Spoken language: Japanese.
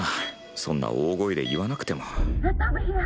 そんな大声で言わなくても。エパブヒア！